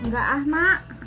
gak ah mak